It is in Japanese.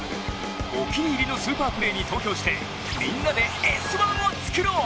お気に入りのスーパープレーに投票して、みんなで「Ｓ☆１」を作ろう！